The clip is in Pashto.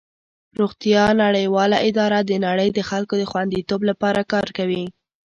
روغتیا نړیواله اداره د نړۍ د خلکو د خوندیتوب لپاره کار کوي.